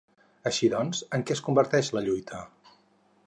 Així doncs, en què es converteix la lluita?